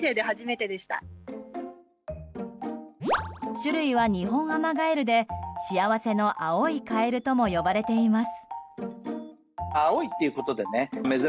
種類はニホンアマガエルで幸せの青いカエルとも呼ばれています。